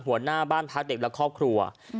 หัวหน้าบ้านพักเด็กและครอบครัว